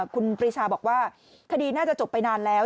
คุณปรีชาบอกว่าคดีน่าจะจบไปนานแล้ว